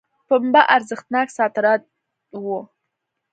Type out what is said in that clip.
پنبه ارزښتناک صادرات وو.